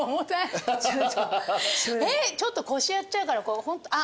えっちょっと腰やっちゃうからホント。